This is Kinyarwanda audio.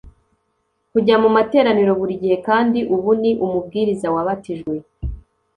Kujya mu materaniro buri gihe kandi ubu ni umubwiriza wabatijwe